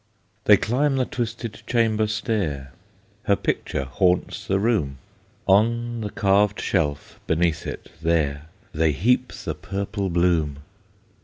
They climb the twisted chamber stair; Her picture haunts the room; On the carved shelf beneath it there, They heap the purple bloom.